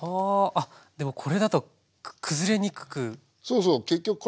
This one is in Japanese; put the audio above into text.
あっでもこれだと崩れにくくなりますね。